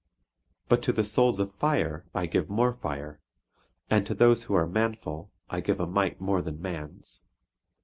"But to the souls of fire I give more fire, and to those who are manful I give a might more than man's.